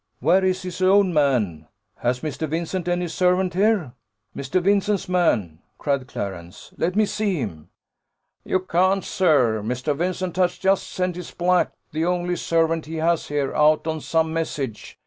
"Where is his own man? Has Mr. Vincent any servant here? Mr. Vincent's man!" cried Clarence; "let me see him!" "You can't, sir. Mr. Vincent has just sent his black, the only servant he has here, out on some message.